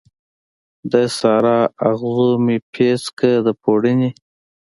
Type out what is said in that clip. د سارا، اغزو مې پیڅکه د پوړنې